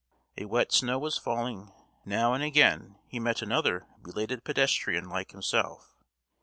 A wet snow was falling; now and again he met another belated pedestrian like himself.